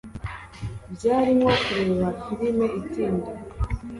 Byari nko kureba firime itinda.